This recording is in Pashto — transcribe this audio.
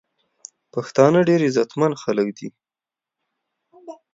پښتانه ډیر عزت مند خلک دی.